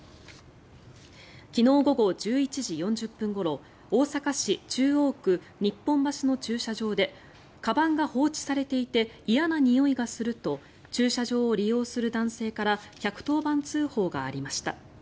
昨日午後１１時４０分ごろ大阪市中央区日本橋の駐車場でかばんが放置されていて嫌なにおいがすると駐車場を利用する男性から１１０番通報がありました。